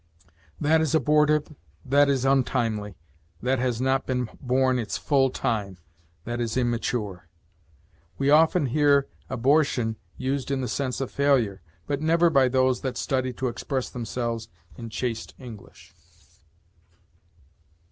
That is abortive that is untimely, that has not been borne its full time, that is immature. We often hear abortion used in the sense of failure, but never by those that study to express themselves in chaste English.